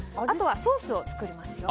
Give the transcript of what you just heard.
あとはソースを作ります。